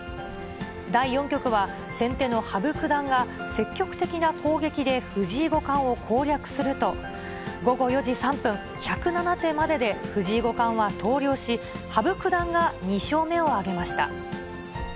第４局は、先手の羽生九段が積極的な攻撃で藤井五冠を攻略すると、午後４時３分、１０７手までで藤井五冠は投了し、羽生九段が２勝目を挙げました。